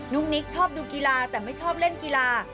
นิกชอบดูกีฬาแต่ไม่ชอบเล่นกีฬา